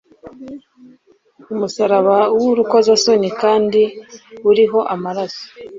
umusaraba w'urukozasoni kandi uriho amaraso,